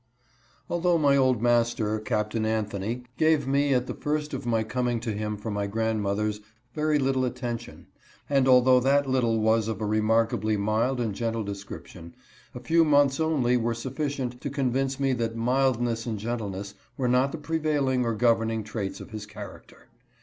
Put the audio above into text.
ALTHOUGH my old master, Captain Anthony, gave me, at the first of my coming to him from my grandmother's, very little attention, and although that little was of a remarkably mild and gentle description, a few months only were sufficient to convince me that mildness and gentleness were not the prevailing or gov erning traits of his character.